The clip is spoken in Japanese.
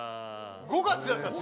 ５月なんですか？